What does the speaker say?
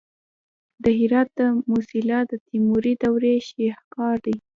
د هرات د موسیلا د تیموري دورې شاهکار دی